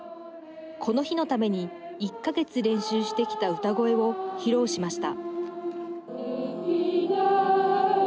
この日のために１か月練習してきた歌声を披露しました。